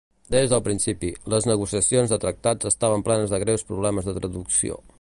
Des del principi, les negociacions de tractats estaven plenes de greus problemes de traducció.